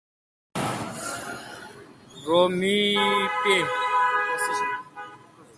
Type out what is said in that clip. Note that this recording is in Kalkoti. رو می پے۔